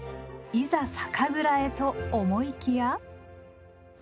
いざ酒蔵へと思いきや。